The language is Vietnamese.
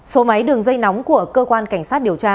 số máy đường dây nóng của cơ quan cảnh sát điều tra